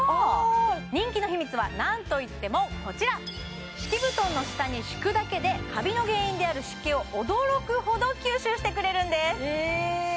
人気の秘密はなんと言ってもこちら敷き布団の下に敷くだけでカビの原因である湿気を驚くほど吸収してくれるんですえ